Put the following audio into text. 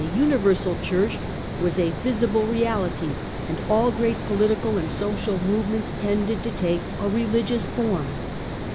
Universal Church was a visible reality, and all great political and social movements, tended to take a religious form.